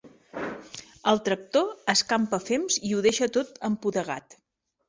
El tractor escampa fems i ho deixa tot empudegat.